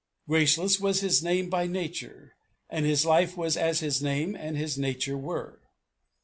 Graceless was his name by nature, and his life was as his name and his nature were.